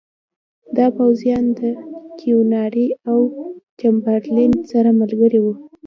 دا پوځیان د کیوناري او چمبرلین سره ملګري وو.